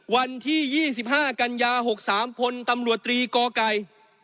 วันที่๒๕กันยา๖๓พลตำรวจตรีกอไก่